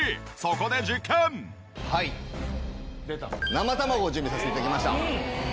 生卵を準備させて頂きました。